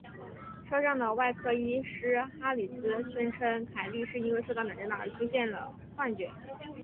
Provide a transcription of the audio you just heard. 车上的外科医师哈里兹宣称凯莉是因为受到脑震荡而出现了幻觉。